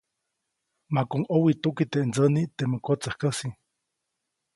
Makuʼuŋ ʼowituki teʼ ndsäniʼ temä kotsäjkäsi.